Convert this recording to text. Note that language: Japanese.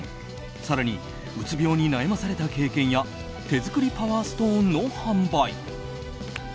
更にうつ病に悩まされた経験や手作りパワーストーンの販売。